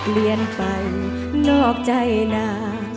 เรียนไปนอกใจนะ